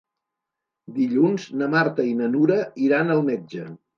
Dilluns na Marta i na Nura iran al metge.